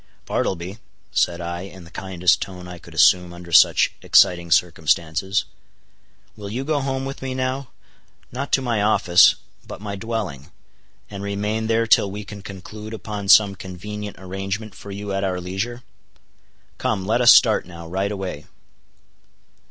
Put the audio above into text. "Bartleby," said I, in the kindest tone I could assume under such exciting circumstances, "will you go home with me now—not to my office, but my dwelling—and remain there till we can conclude upon some convenient arrangement for you at our leisure? Come, let us start now, right away."